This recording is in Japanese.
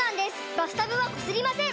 バスタブはこすりません！